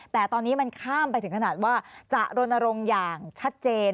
แต่ตอนนี้มันข้ามไปถึงขนาดว่าจะรณรงค์อย่างชัดเจน